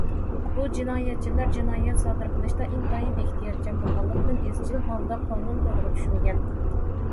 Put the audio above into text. بۇ جىنايەتچىلەر جىنايەت سادىر قىلىشتا ئىنتايىن ئېھتىياتچان بولغانلىقتىن، ئىزچىل ھالدا قانۇن تورىغا چۈشمىگەن.